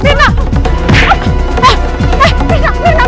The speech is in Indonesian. minah minah minah